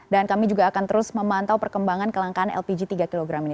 dan kami juga akan terus memantau perkembangan kelangkaan lpg tiga kg ini